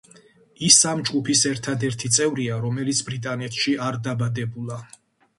ის ამ ჯგუფის ერთადერთი წევრია, რომელიც ბრიტანეთში არ დაბადებულა.